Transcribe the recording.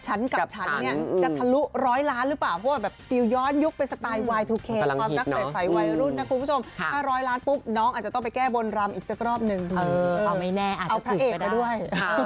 แก้แรมแก้แรมแก้แรมแก้แรมแก้แรมแก้แรมแก้แรมแก้แรมแก้แรมแก้แรมแก้แรมแก้แรมแก้แรมแก้แรมแก้แรมแก้แรมแก้แรมแก้แรมแก้แรมแก้แรมแก้แรมแก้แรมแก้แรมแก้แรมแก้แรมแก้แรมแก้แรมแก้แรมแก้แรมแก้แรมแก้แรมแก้แ